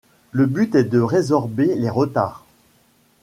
Le but est de résorber les retards.